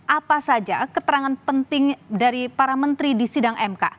apa saja keterangan penting dari para menteri di sidang mk